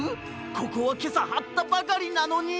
ここはけさはったばかりなのに！